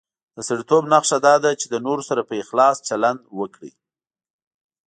د سړیتوب نښه دا ده چې له نورو سره په اخلاص چلند وکړي.